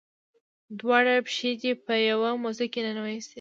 دواړه پښې دې په یوه موزه کې ننویستې.